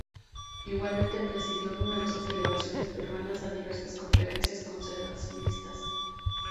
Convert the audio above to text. Igualmente presidio numerosas delegaciones peruanas a diversas conferencias conservacionistas.